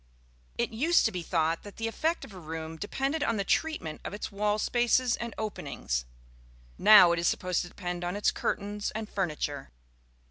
It used to be thought that the effect of a room depended on the treatment of its wall spaces and openings; now it is supposed to depend on its curtains and furniture.